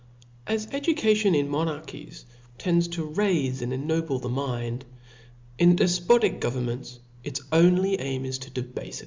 A S education in monarchies tends to raife and Book '^^ ennoble the mind, in defpotic governments ciuip,'3. its only aim is to debafe i